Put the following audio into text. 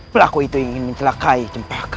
pelaku itu ingin mencelakai cempaka